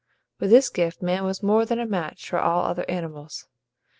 With this gift man was more than a match for all other animals.